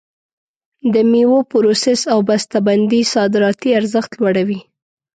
د میوو پروسس او بسته بندي صادراتي ارزښت لوړوي.